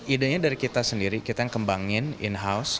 idenya dari kita sendiri kita yang kembangin in house